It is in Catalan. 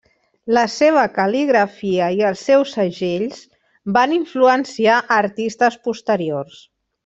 La seva cal·ligrafia i els seus segells van influenciar a artistes posteriors.